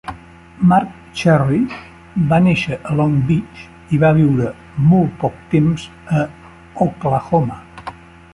Marc Cherry va néixer a Long Beach i va viure molt poc temps a Oklahoma.